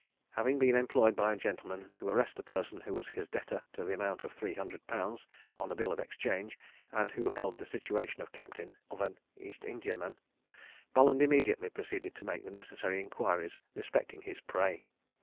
Having been employed by a gentleman to arrest a person who was his debtor to the amount of three hundred pounds on a bill of exchange, and who held the situation of captain of an East Indiaman, Bolland immediately proceeded to make the necessary inquiries respecting his prey.